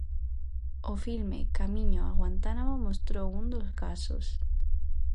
O filme Camiño a Guantánamo mostrou un dos casos.